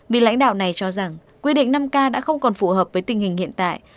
vị lãnh đạo này cho rằng quy định năm k đã không còn phù hợp với tình hình hiện tại